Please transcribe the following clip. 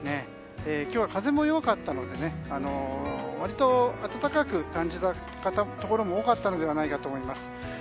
今日は風も弱かったので割と暖かく感じたところも多かったのではないかと思います。